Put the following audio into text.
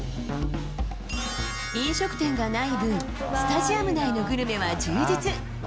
飲食店がないぶん、スタジアム内のグルメは充実。